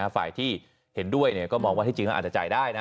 ฝ่ายที่เห็นด้วยก็มองว่าที่จริงแล้วอาจจะจ่ายได้นะ